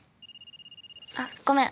あっごめん。